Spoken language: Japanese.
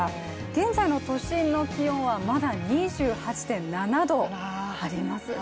現在の都心の気温はまだ２８．７度ありますね。